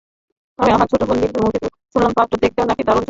তবে আমার ছোট বোন বিন্দুর মুখে শুনলাম পাত্র দেখতেও নাকি দারুণ সুদর্শন।